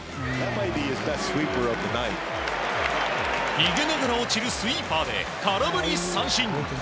逃げながら落ちるスイーパーで空振り三振。